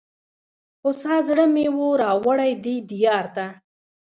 هوسا زړه مي وو را وړﺉ دې دیار ته